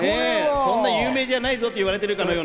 そんな有名じゃないぞって言われてるみたい。